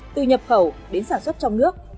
từ nhập khẩu đến sản xuất trong nước